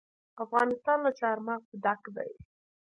افغانستان له چار مغز ډک دی.